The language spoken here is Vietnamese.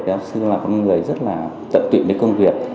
giáo sư là một người rất là tận tụy đến công việc